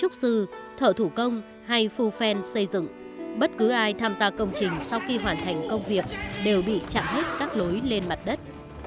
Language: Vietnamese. người ai tham gia công trình sau khi hoàn thành công việc đều bị chặn hết các lối lên mặt đất